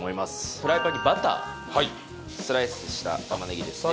フライパンにバタースライスした玉ねぎですね